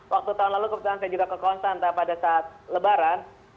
waktu tahun lalu kebetulan saya juga ke konstanta pada saat lebaran